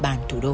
bàn thủ đô